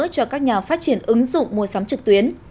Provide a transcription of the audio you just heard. cho các nhà phát triển ứng dụng mua sắm trực tuyến